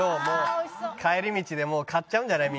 帰り道でもう買っちゃうんじゃない？